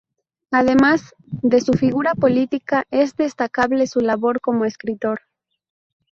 Además de su figura política, es destacable su labor como escritor.